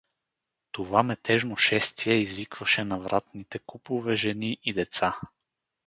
Това метежно шествие извикваше на вратните купове жени и деца.